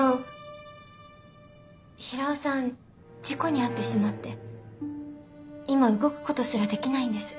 事故に遭ってしまって今動くことすらできないんです。